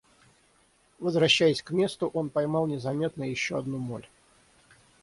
Возвращаясь к месту, он поймал незаметно еще одну моль.